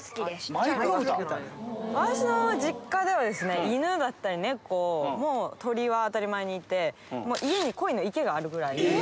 私の実家では、犬だったり猫、もう鳥は当たり前にいて、もう家にコイの池があるぐらい。